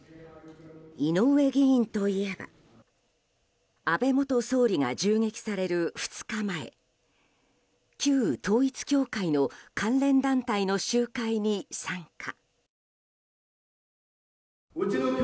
井上議員といえば安倍元総理が銃撃される２日前旧統一教会の関連団体の集会に参加。